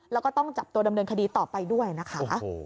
แล้วก็ต้องจับตัวดำเนินคดีต่อไปด้วยนะคะ